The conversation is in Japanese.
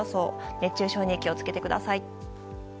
熱中症に気を付けてください。